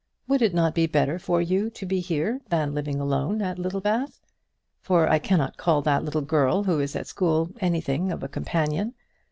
Would it not be better for you to be here than living alone at Littlebath? for I cannot call that little girl who is at school anything of a companion.